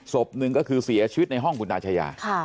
ศพหนึ่งก็คือเสียชีวิตในห้องคุณอาชายา